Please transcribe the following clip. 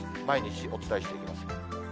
毎日お伝えしていきます。